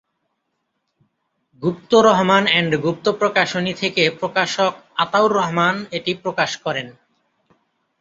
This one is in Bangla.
গুপ্ত রহমান এ্যান্ড গুপ্ত প্রকাশনী থেকে প্রকাশক আতাউর রহমান এটি প্রকাশ করেন।